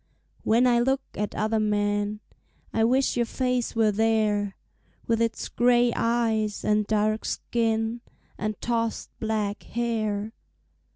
When I look at other men, I wish your face were there, With its gray eyes and dark skin And tossed black hair.